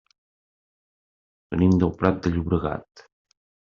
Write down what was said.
Venim del Prat de Llobregat.